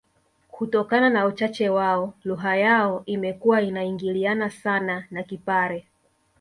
Kutokana na uchache wao lugha yao imekuwa inaingiliana sana na Kipare